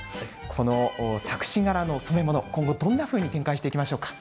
この錯視柄の染め物今後、どんなふうに展開していきましょうか？